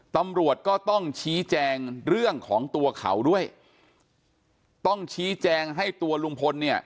ตำรวจก็ต้องชี้แจงเรื่องของตัวเขาด้วยต้องชี้แจงให้ตัวลุงพลเนี่ย